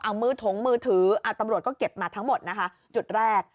เอามือถงมือถือตำรวจก็เก็บมาทั้งหมดนะคะจุดแรก